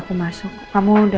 kasih di muka